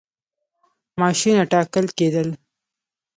معاشونه ټاکل کېدل.